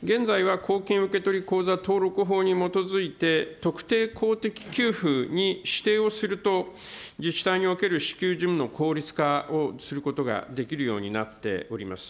現在は公金受取登録法において特定公的給付に指定をすると、自治体における支給事務の効率化をすることができるようになっております。